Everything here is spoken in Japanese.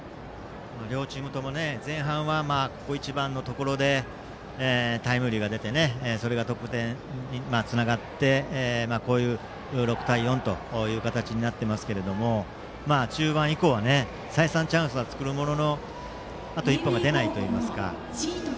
両チームとも前半は、ここ一番のところでタイムリーが出てそれが得点につながって６対４という形になっていますが中盤以降は再三チャンスは作るもののあと１本が出ないといいますか。